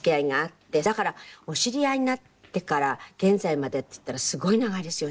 だからお知り合いになってから現在までっつったらすごい長いですよね。